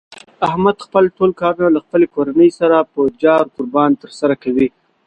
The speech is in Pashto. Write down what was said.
احمد خپل ټول کارونه له خپلې کورنۍ سره په جار قربان تر سره کوي.